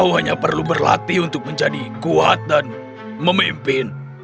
kau hanya perlu berlatih untuk menjadi kuat dan memimpin